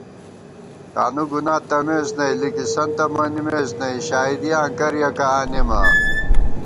تانُوگُنا تمېس نئ، لِکِسنتہ منِمېس نئ، شائیدیاں کریَکہ آنېمہ آں